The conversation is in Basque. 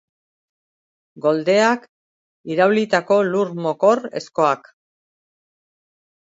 Goldeak iraulitako lur-mokor ezkoak.